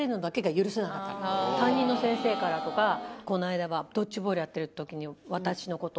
担任の先生からとかこの間はドッジボールやってる時に。